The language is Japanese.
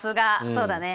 そうだね。